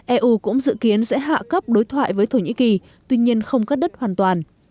eu cũng dự kiến sẽ hạ cấp đối thoại với thổ nhĩ kỳ tuy nhiên không cắt đứt hoàn toàn